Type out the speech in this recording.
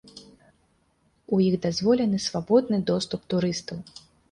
У іх дазволены свабодны доступ турыстаў.